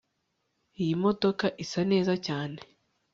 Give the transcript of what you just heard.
Iyi modoka isa neza cyane